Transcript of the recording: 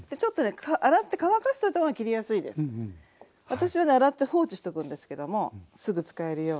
私はね洗って放置しとくんですけどもすぐ使えるように。